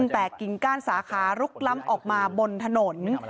แต่กิ่งก้านสาขาลุกล้ำออกมาบนถนน